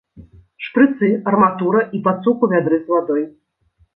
Шпрыцы, арматура і пацук у вядры з вадой.